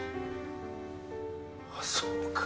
あそうか。